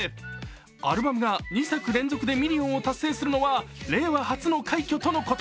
アルバムが２作連続でミリオンを達成するのは令和初の快挙とのこと。